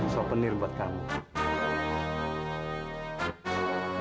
sovenir buat kamu